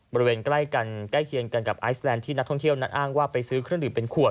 บริเวณใกล้กันใกล้เคียงกันกับไอซแลนดที่นักท่องเที่ยวนั้นอ้างว่าไปซื้อเครื่องดื่มเป็นขวด